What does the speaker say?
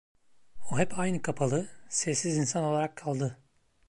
O hep aynı kapalı, sessiz insan olarak kaldı.